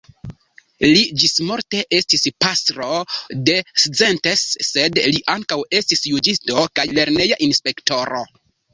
Li ĝismorte estis pastro de Szentes, sed li ankaŭ estis juĝisto, kaj lerneja inspektoro.